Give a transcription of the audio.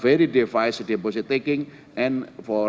memiliki pengambilan deposit yang sangat berat